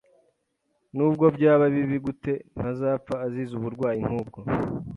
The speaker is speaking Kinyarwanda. Nubwo byaba bibi gute, ntazapfa azize uburwayi nk'ubwo.